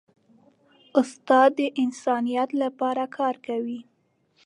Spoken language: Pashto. استاد د انسانیت لپاره کار کوي.